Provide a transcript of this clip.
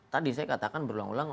tadi saya katakan berulang ulang